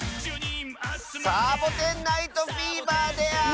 「サボテン・ナイト・フィーバー」である！